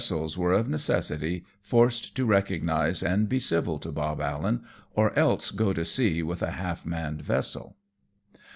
Teasels were of necessity forced to recognize and be civil to Bob Allen, or else go to sea with a half manned vessel.